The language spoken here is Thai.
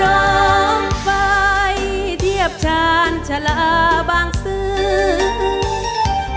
ร้องไฟเดียบชาญชะลาบางซึ้ง